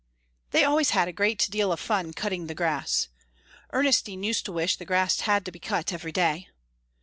They always had a great deal of fun cutting the grass. Ernestine used to wish the grass had to be cut every day.